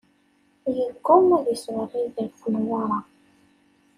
Yeggumma ad yeṣber Yidir ɣef Newwara.